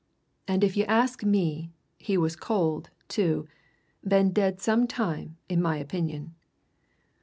And if you ask me, he was cold, too been dead some time, in my opinion."